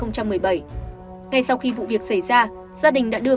ngay sau khi vụ việc xảy ra gia đình đã đưa các đồng hành